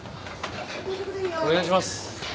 お願いします。